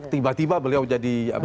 tiba tiba beliau jadi